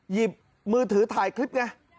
หยิบมือถือถ่ายคลิปเนี่ย